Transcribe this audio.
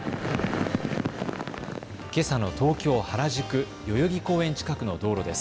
けさの東京原宿、代々木公園近くの道路です。